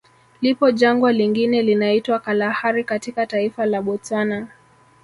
Lipo Jangwa lingine linaitwa Kalahari katika taifa la Botswana